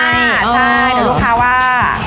ใช่เดี๋ยวลูกค้าว่า